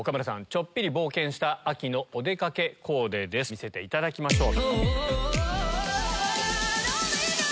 ちょっぴり冒険した秋のお出かけコーデ見せていただきましょう。